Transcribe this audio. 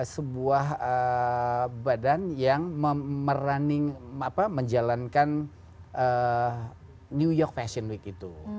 sebuah badan yang menjalankan new york fashion week itu